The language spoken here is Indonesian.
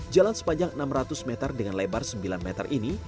jalan sepanjang enam ratus meter dengan lebar sembilan meter ini